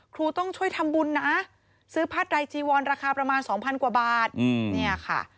ครูต้องช่วยทำบุญนะซื้อผ้าไรจีวอนราคาประมาณ๒๐๐กว่าบาทเนี่ยค่ะ